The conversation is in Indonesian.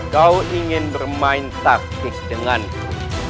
kau ingin bermain taktik denganku